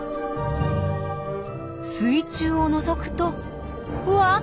水中をのぞくとうわっ！